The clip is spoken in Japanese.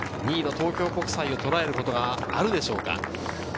２位の東京国際をとらえることがあるでしょうか。